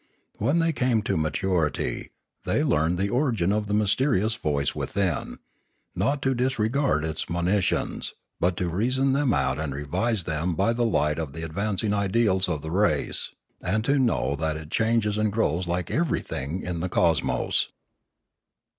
When they came to maturity, they learned the origin of the mysterious voice within, not to disregard its monitions, but to reason them out and revise them by the light of the advancing ideals of the race and to know that it changes and grows like everything in the cosmos.